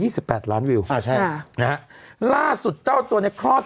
สิบแปดล้านวิวอ่าใช่ค่ะนะฮะล่าสุดเจ้าตัวเนี้ยคลอด